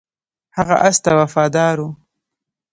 هغه اس ته وفادار و.